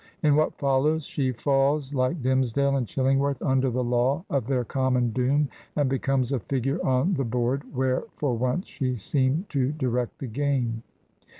In what follows, she falls like Dimmesdale and Chilling worth under the law of their common doom, and becomes a figure on the board where for once she seemed to direct the game.